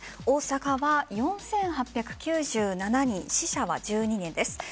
大阪は４８９７人死者は１２人です。